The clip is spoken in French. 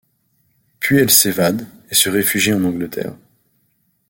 Puis elle s’évade, et se réfugie en Angleterre.